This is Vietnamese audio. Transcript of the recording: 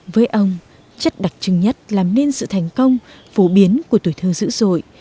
với ông chất đặc trưng nhất làm nên sự thành công phổ biến của tuổi thơ dữ dội